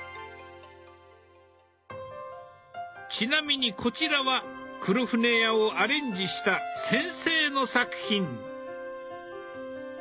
ちなみにこちらは「黒船屋」をアレンジした先生の作品。